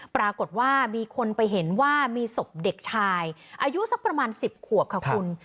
ปรากฏว่ามีคนไปเห็นว่ามีศพเด็กชายอายุสักประมาณ๑๐ขวบค่ะคุณ